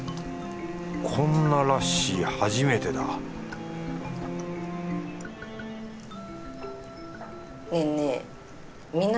こんなラッシー初めてだねぇねぇ南